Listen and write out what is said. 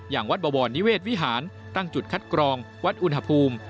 อย่างวัดบวรนิเวศวิหารตั้งจุดคัดกรองวัดอุณหภูมิ